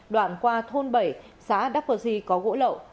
đoạn qua thôn bảy xã đắk phơ si có gỗ lậu